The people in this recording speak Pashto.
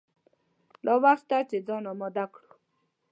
لا وخت شته چې ځان آمده کړو.